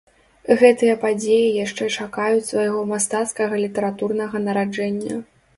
Гэтыя падзеі яшчэ чакаюць свайго мастацкага літаратурнага нараджэння.